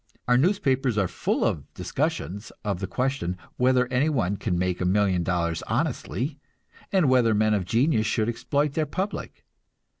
Our newspapers are full of discussions of the question whether anyone can make a million dollars honestly, and whether men of genius should exploit their public.